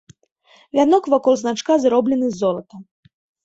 Вянок вакол значка зроблены з золата.